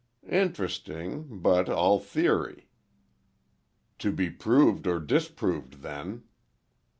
"Interesting—but all theory." "To be proved or disproved, then."